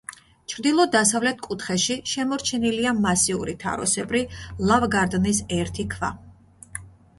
ჩრდილო-დასავლეთ კუთხეში შემორჩენილია მასიური თაროსებრი ლავგარდნის ერთი ქვა.